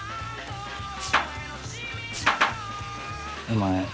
お前